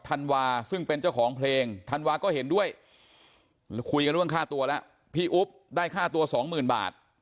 ธันวาซึ่งเป็นเจ้าของเพลงธันวาก็เห็นด้วยคุยกันเรื่องค่าตัวแล้วพี่อุ๊บได้ค่าตัวสองหมื่นบาท